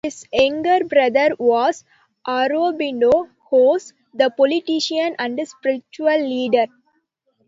His younger brother was Aurobindo Ghose, the politician and spiritual leader.